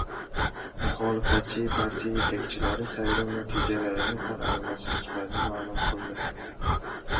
Muxolifatchi partiya yetakchilari saylov natijalarini tan olmasliklarini ma’lum qildi